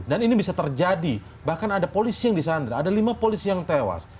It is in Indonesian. dan ini bisa terjadi bahkan ada polisi yang disandar ada lima polisi yang tewas